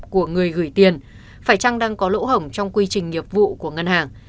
của người gửi tiền phải chăng đang có lỗ hổng trong quy trình nghiệp vụ của ngân hàng